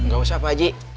gak usah baji